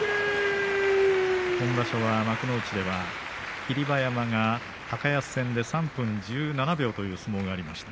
今場所は幕内では霧馬山が高安戦で３分１７秒という相撲がありました。